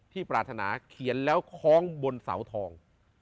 ปรารถนาเขียนแล้วคล้องบนเสาทอง